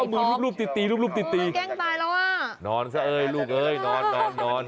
ดูไงพร้อมมันแกล้งตายแล้วว่ะนอนสิเอ๊ยลูกเอ๊ยนอน